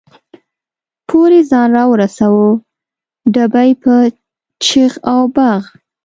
پورې ځان را ورساوه، ډبې په چغ او بغ.